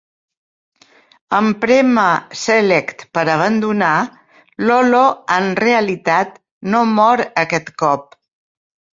En prémer select per abandonar, Lolo en realitat no mor aquest cop.